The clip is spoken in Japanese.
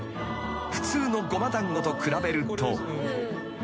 ［普通のごま団子と比べると］